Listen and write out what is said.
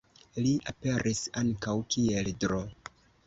Li aperis ankaŭ kiel Dro.